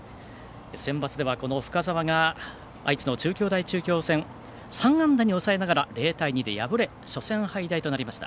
センバツでは、この深沢が愛知の中京大中京戦３安打に抑えながら０対２で敗れ初戦敗退となりました。